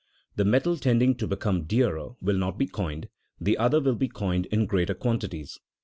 The metal tending to become dearer will not be coined, the other will be coined in greater quantities.